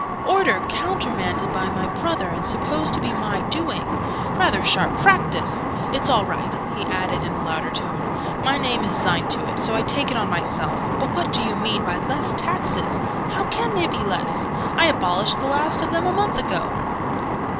"Order countermanded by my brother, and supposed to be my doing! Rather sharp practice! It's all right!" he added in a louder tone. "My name is signed to it: so I take it on myself. But what do they mean by 'Less Taxes'? How can they be less? I abolished the last of them a month ago!"